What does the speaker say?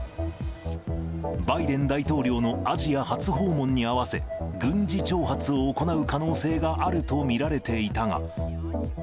バイデン大統領のアジア初訪問に合わせ、軍事挑発を行う可能性があると見られていたが。